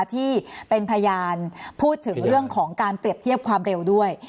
ที่เป็นพยานพูดถึงเรื่องของการเปรียบเทียบความเร็วด้วย